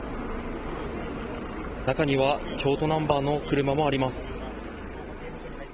中には京都ナンバーの車もあります。